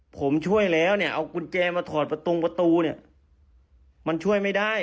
ผมช่วยแล้วเอากุญแจมาถอดประตูมันช่วยไม่ได้